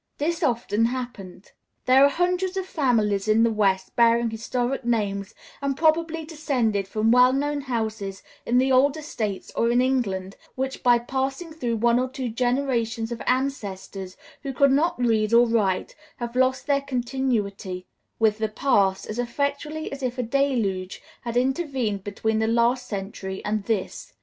This, often happened; there are hundreds of families in the West bearing historic names and probably descended from well known houses in the older States or in England, which, by passing through one or two generations of ancestors who could not read or write, have lost their continuity with the past as effectually as if a deluge had intervened between the last century and this.